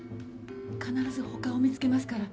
必ず他を見つけますから。